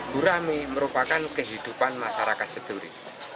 gurami merupakan kehidupan masyarakat seduri